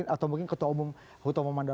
atau mungkin ketua umum hutomomandang